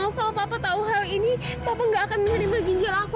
aku gak mau kalau papa tahu hal ini papa gak akan menerima ginjal aku